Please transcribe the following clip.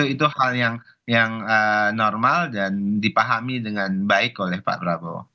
itu hal yang normal dan dipahami dengan baik oleh pak prabowo